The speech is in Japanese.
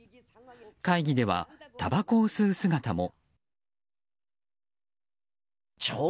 会議では、たばこを吸う姿も。